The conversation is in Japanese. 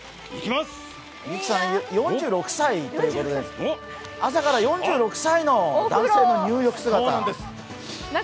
優木さん、４６歳ということで、朝から４６歳の男性の入浴姿。